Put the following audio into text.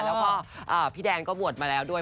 แล้วก็พี่แดนก็บวชมาแล้วด้วย